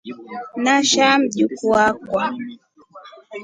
Nashaa Mjukuu akwa.